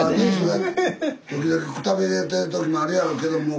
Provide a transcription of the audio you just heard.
時々くたびれてる時もあるやろうけども。